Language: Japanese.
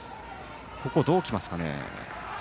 ここはどう来ますかね。